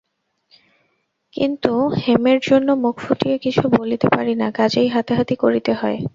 কিন্তু হেমের জন্য মুখ ফুটিয়া কিছু বলিতে পারি না, কাজেই হাতাহাতি করিতে হয়।